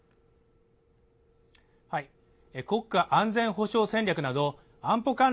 国家安全保障戦略など安保関連